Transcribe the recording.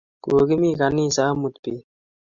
Kokimi ganisa amut peet